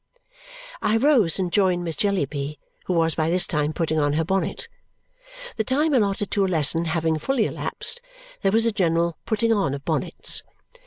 I rose and joined Miss Jellyby, who was by this time putting on her bonnet. The time allotted to a lesson having fully elapsed, there was a general putting on of bonnets.